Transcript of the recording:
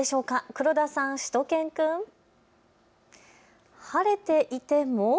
黒田さん、しゅと犬くん。晴れていても。